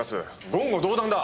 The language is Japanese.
言語道断だ！